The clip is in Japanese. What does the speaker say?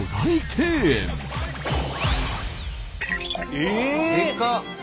ええ！でかっ！